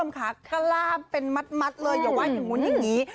ค่ะกล้ามเป็นมัดเลยอย่าว่าอย่างนู้นอย่างนี้